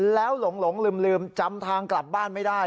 แล้วหลงลืมจำทางกลับบ้านไม่ได้